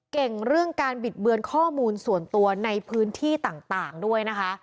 เรื่องการบิดเบือนข้อมูลส่วนตัวในพื้นที่ต่างด้วยนะคะ